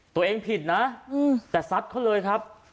ตัวเองผิดนะแต่ซัดเขาเลยครับ